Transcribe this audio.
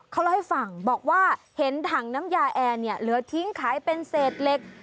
เขาเล่าให้ฟังบอกว่าเห็นถังน้ำยาแอร์เนี่ยเหลือทิ้งขายเป็นเศษเหล็ก